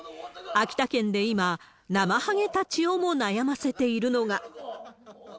秋田県で今、なまはげたちをも悩ませているのが。